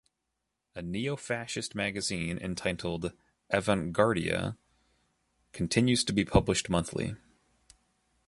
A neofascist magazine entitled "Avanguardia" continues to be published monthly.